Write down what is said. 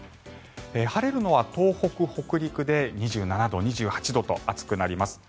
晴れるのは東北・北陸で２７度、２８度と暑くなります。